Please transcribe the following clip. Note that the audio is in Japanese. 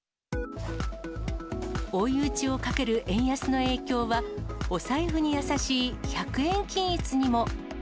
追い打ちをかける円安の影響はお財布に優しい１００円均一にも。